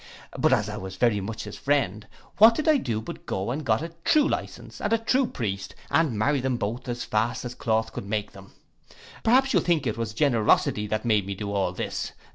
But as I was very much his friend, what did I do but went and got a true licence and a true priest, and married them both as fast as the cloth could make them. Perhaps you'll think it was generosity that made me do all this.